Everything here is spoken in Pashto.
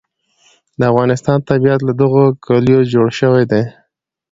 د افغانستان طبیعت له دغو کلیو جوړ شوی دی.